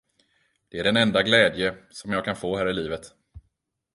Det är den enda glädje, som jag kan få här i livet.